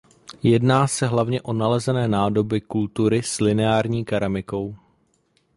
Jedná se hlavně o nalezené nádoby kultury s lineární keramikou.